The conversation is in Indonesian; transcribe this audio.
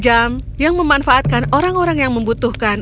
jam yang memanfaatkan orang orang yang membutuhkan